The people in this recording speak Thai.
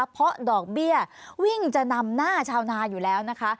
เพราะดอกเบี้ยวิ่งจะนำหน้าชาวนาอยู่แล้วนะคะ